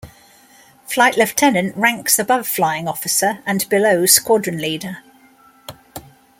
Flight lieutenant ranks above flying officer and below squadron leader.